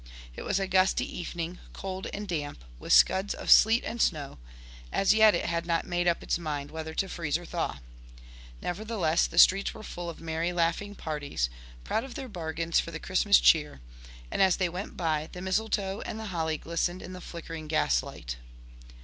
It was a gusty evening, cold and damp, with scuds of sleet and snow, as yet it had not made up its mind whether to freeze or thaw. Nevertheless, the streets were full of merry laughing parties, proud of their bargains for the Christmas cheer; and as they went by, the misletoe and the holly glistened in the flickering gaslight.